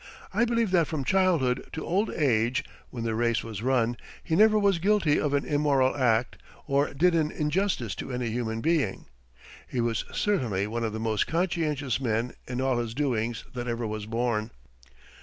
I believe that from childhood to old age when the race was run he never was guilty of an immoral act or did an injustice to any human being. He was certainly one of the most conscientious men in all his doings that ever was born.